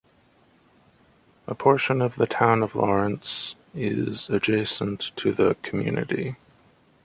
A portion of the Town of Lawrence is adjacent to the community.